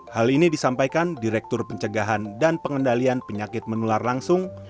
hal ini disampaikan direktur pencegahan dan pengendalian penyakit menular langsung